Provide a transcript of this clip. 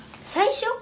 最初？